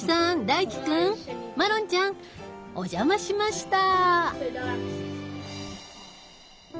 大義くんマロンちゃんお邪魔しました。